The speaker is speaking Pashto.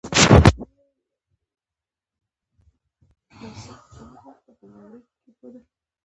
زوی د وطن یې ، مرد میدان یې